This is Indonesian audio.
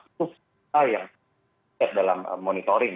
itu saya yang mencet dalam monitoring